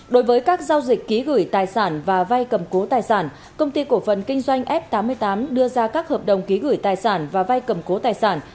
đối với các giao dịch ký gửi tài sản và vay cầm cố tài sản công ty cổ phần kinh doanh f tám mươi tám đưa ra các hợp đồng ký gửi tài sản và vay cầm cố tài sản